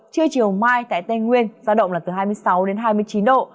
trưa chiều mai tại tây nguyên giao động là từ hai mươi sáu đến hai mươi chín độ